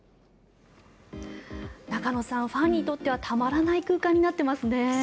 中野さん、ファンにとってはたまらない空間になっています。